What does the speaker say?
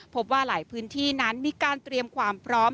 พบว่าหลายพื้นที่นั้นมีการเตรียมความพร้อม